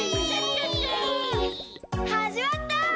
はじまった！